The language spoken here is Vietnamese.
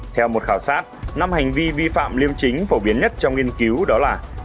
theo một khảo sát năm hành vi vi phạm liêm chính phổ biến nhất trong nghiên cứu đó là